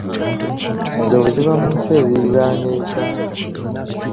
Enjovu ziva mu nsi eziriraanye Uganda.